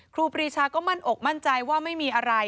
ครูปรีชาก็มั่นอกมั่นใจว่าไม่มีอะไร